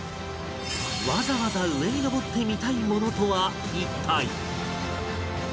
わざわざ上に上って見たいものとは一体？